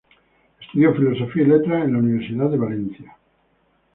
Estudió Filosofía y Letras en la Universidad de Valencia.